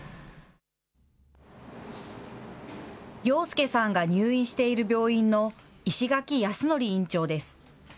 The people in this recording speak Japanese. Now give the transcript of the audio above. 洋介さんが入院している病院の石垣泰則院長です。